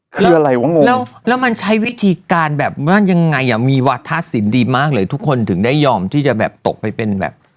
คืออะไรวะงงแล้วแล้วมันใช้วิธีการแบบว่ายังไงอ่ะมีวาทะสินดีมากเลยทุกคนถึงได้ยอมที่จะแบบตกไปเป็นแบบ